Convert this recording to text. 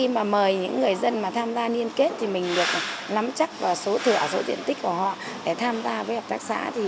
mời những người dân tham gia liên kết thì mình được nắm chắc vào số thửa số diện tích của họ để tham gia với hợp tác xã